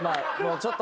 ちょっと。